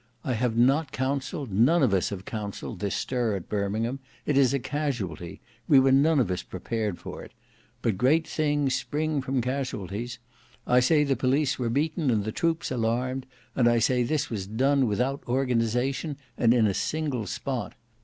I have not counselled, none of us have counselled, this stir at Birmingham. It is a casualty. We were none of us prepared for it. But great things spring from casualties. I say the police were beaten and the troops alarmed; and I say this was done without organization and in a single spot.